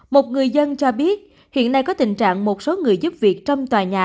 một người dân cho biết hiện nay có tình trạng một số người giúp việc trong tòa nhà